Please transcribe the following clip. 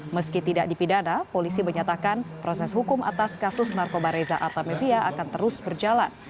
meski tidak dipidana polisi menyatakan proses hukum atas kasus narkoba reza artamevia akan terus berjalan